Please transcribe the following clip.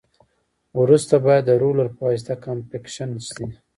وروسته باید د رولر په واسطه کمپکشن شي